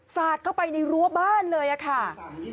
สาดเข้าไปในรั้วบ้านเลยค่ะ